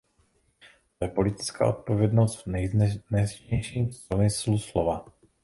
To je politická odpovědnost v nejvznešenějším smyslu slova.